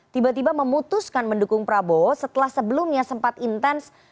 tiba tiba memutuskan mendukung prabowo setelah sebelumnya sempat intens